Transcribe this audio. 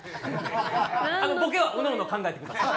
ボケはおのおの考えてください。